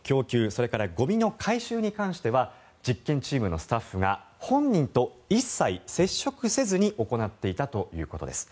それからゴミの回収に関しては実験チームのスタッフが本人と一切接触せずに行っていたということです。